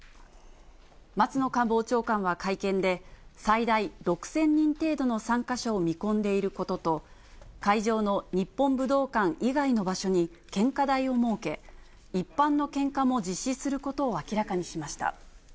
松野官房長官は会見で、最大６０００人程度の参加者を見込んでいることと、会場の日本武道館以外の場所に献花台を設け、一般の献花も実施することを明らかにしました。